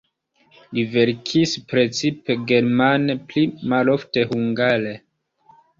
Li verkis precipe germane, pli malofte hungare.